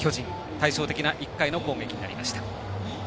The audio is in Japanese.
対照的な１回の攻撃になりました。